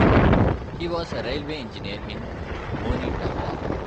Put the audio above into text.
He was a railway engineer in Manitoba.